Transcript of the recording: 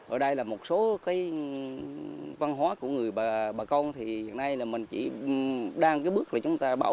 ở đây là một số cái văn hóa của người bà con thì hiện nay là mình chỉ đang cái bước là chúng ta bảo